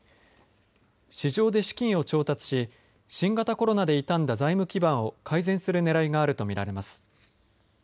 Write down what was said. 市場で資金を調達し新型コロナで傷んだ財務基盤を改善するねらいがあると見られます。